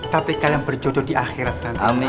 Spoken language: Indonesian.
tapi kalian berjodoh di akhirat nanti